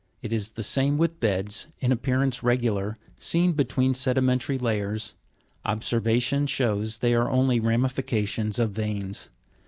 It is the same with beds, in appearance regular, seen between sedimentary layers ; observation shows they are only ramifications of veins.